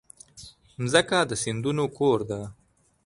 مځکه د سیندونو کور ده.